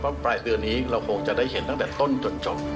ปลายเดือนนี้เราคงจะได้เห็นตั้งแต่ต้นจนจบ